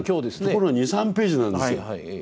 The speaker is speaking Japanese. そこの２３ページなんですよ。